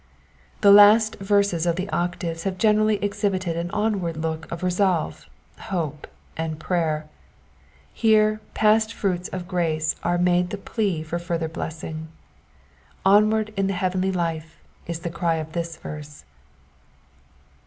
The last verses of the octaves have generally exhibited an onward look of resolve, hope, and prayer. Here past fruits of grace are made the plea for further blessing. Onwsurd in the heavenly life is the cry of this verse.